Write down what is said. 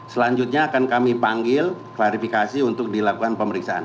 selanjutnya akan kami panggil klarifikasi untuk dilakukan pemeriksaan